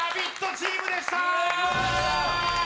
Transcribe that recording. チームでした。